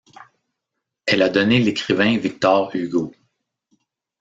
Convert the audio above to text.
Elle a donné l'écrivain Victor Hugo.